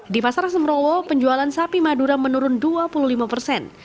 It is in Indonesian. di pasar semrowo penjualan sapi madura menurun dua puluh lima persen